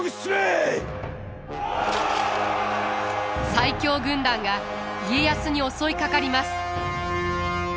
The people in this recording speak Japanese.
最強軍団が家康に襲いかかります。